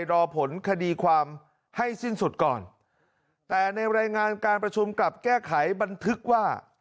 รอผลคดีความให้สิ้นสุดก่อนแต่ในรายงานการประชุมกลับแก้ไขบันทึกว่า